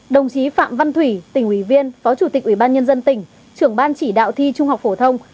đồng chí phạm văn thủy tỉnh ủy viên phó chủ tịch ủy ban nhân dân tỉnh trưởng ban chỉ đạo thi trung học phổ thông